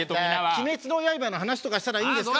『鬼滅の刃』の話とかしたらいいんですか？